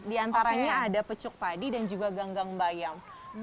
di antaranya ada pecuk padi dan juga ganggang bayam